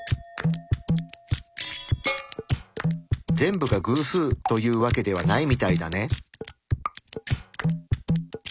全部が偶数というわけではないみたいだね。